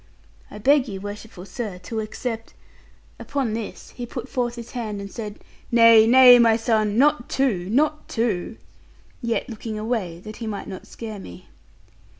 I beg you, worshipful sir, to accept ' Upon this he put forth his hand and said, 'Nay, nay, my son, not two, not two:' yet looking away, that he might not scare me.